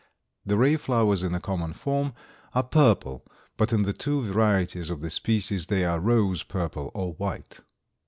The ray flowers in the common form are purple, but in the two varieties of the species, they are rose purple or white.